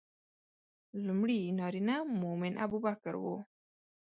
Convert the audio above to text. لومړی نارینه مؤمن ابوبکر و.